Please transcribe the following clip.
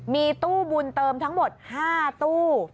มีตู้บุญเติมทั้งหมด๕ตู้